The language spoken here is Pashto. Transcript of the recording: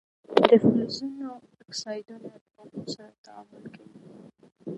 د فلزونو اکسایدونه له اوبو سره تعامل کوي.